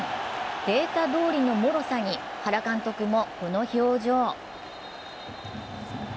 データどおりのもろさに原監督もこの表情。